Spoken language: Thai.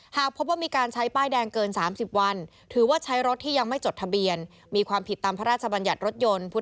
หากพบว่ามีการใช้ป้ายแดงเกิน๓๐วัน